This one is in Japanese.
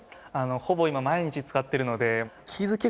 ほぼ今毎日使っているので。